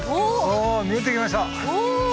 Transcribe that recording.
お見えてきました！